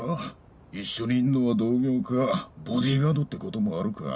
一緒にいんのは同業かボディーガードってこともあるか。